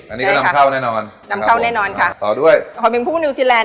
อันนี้ก็นำเข้าแน่นอนนำเข้าแน่นอนค่ะต่อด้วยขอเป็นผู้นิวซีแลนด